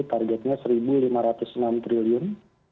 targetnya rp satu lima ratus enam triliun